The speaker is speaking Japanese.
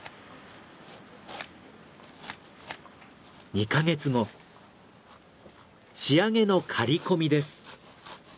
２カ月後仕上げの刈込みです。